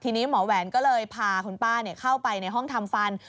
ทีนี้หมอแหวนก็เลยพาคุณป้าเข้าไปในห้องทำฟัน